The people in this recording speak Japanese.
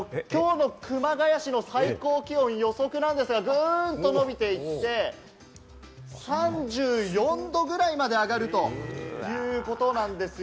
きょうの熊谷市の最高気温の予測なんですが、グンと伸びていって、３４度くらいまで上がるということなんですよ。